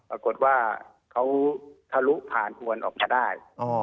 ปรากฏว่าเขาทะลุผ่านหวนออกมาได้